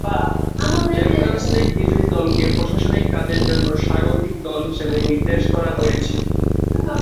Champions League বিজয়ী দলকে প্রশাসনিক কাজের জন্য "স্বাগতিক" দল হিসেবে নির্দেশ করা হয়েছে।